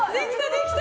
できた！